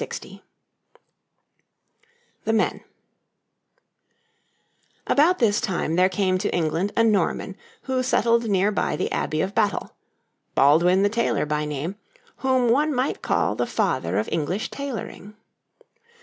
}] About this time there came to England a Norman, who settled near by the Abbey of Battle Baldwin the Tailor by name, whom one might call the father of English tailoring.